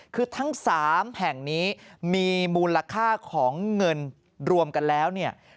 คือทั้ง๓แห่งนี้มีมูลค่าของเงินรวมกันแล้วเนี่ย